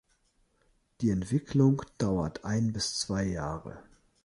Die Entwicklung dauert ein bis zwei Jahre.